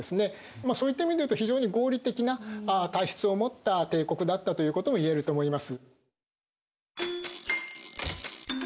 まあそういった意味で言うと非常に合理的な体質を持った帝国だったということを言えると思います。